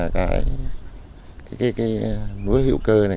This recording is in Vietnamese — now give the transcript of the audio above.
cái lúa thiêu cơ này